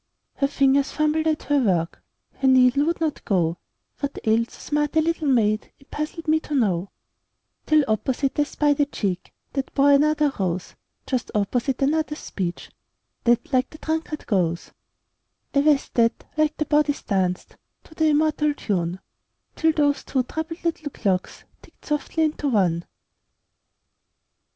Her fingers fumbled at her work, Her needle would not go; What ailed so smart a little maid It puzzled me to know, Till opposite I spied a cheek That bore another rose; Just opposite, another speech That like the drunkard goes; A vest that, like the bodice, danced To the immortal tune, Till those two troubled little clocks Ticked softly into one.